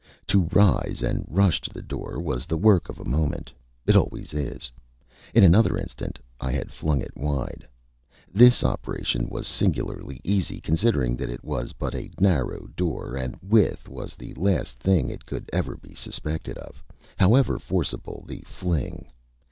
To rise and rush to the door was the work of a moment. It always is. In another instant I had flung it wide. This operation was singularly easy, considering that it was but a narrow door, and width was the last thing it could ever be suspected of, however forcible the fling.